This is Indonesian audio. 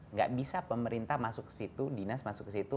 nggak bisa pemerintah masuk ke situ dinas masuk ke situ